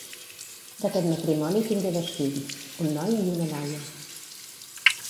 D'aquest matrimoni tingué dos fills—un noi i una noia--.